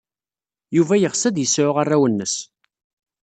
Yuba yeɣs ad yesɛu arraw-nnes.